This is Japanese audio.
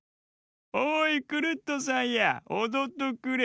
「おいクルットさんやおどっとくれ」。